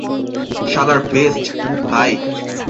শালার ভেস্ট, ভাই।